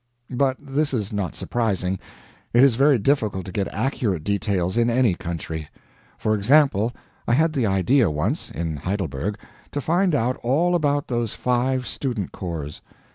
But this is not surprising; it is very difficult to get accurate details in any country. For example, I had the idea once, in Heidelberg, to find out all about those five student corps.